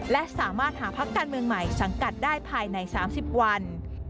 และสามารถหาพักการเมืองใหม่สังกัดได้ภายใน๓๐วัน